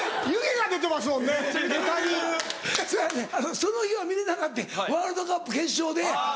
その日は見れなかってんワールドカップ決勝で。